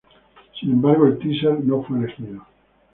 Sin embargo, el teaser no fue elegido.